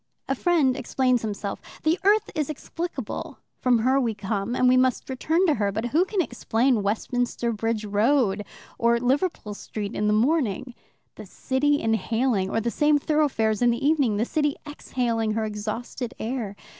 A friend explains himself: the earth is explicable from her we came, and we must return to her. But who can explain Westminster Bridge Road or Liverpool Street in the morning the city inhaling or the same thoroughfares in the evening the city exhaling her exhausted air?